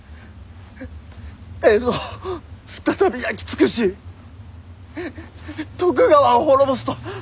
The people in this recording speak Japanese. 江戸を再び焼き尽くし徳川を滅ぼすと！